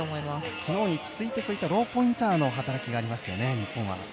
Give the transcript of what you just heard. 昨日に続いてローポインターの働きがありますよね、日本は。